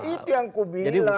itu yang aku bilang